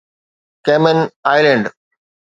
ڪيمن island